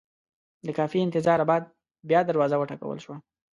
د کافي انتظاره بعد بیا دروازه وټکول شوه.